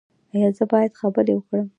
ایا زه باید خبرې وکړم؟